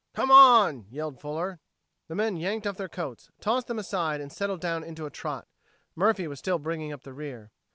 "Come on!" yelled Fuller. The men yanked off their coats, tossed them aside, and settled down into a trot. Murphy was still bringing up the rear.